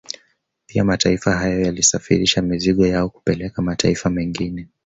Pia mataifa hayo yanasafirisha mizigo yao kupeleka mataifa mengine